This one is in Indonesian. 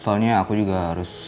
soalnya aku juga harus